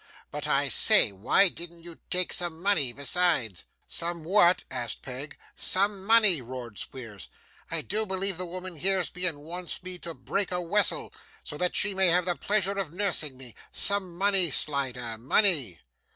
But, I say, why didn't you take some money besides?' 'Some what?' asked Peg. 'Some money,' roared Squeers. 'I do believe the woman hears me, and wants to make me break a wessel, so that she may have the pleasure of nursing me. Some money, Slider, money!